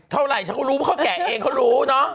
เท่าไหร่ฉันก็รู้เพราะเขาแกะเองเขารู้เนอะ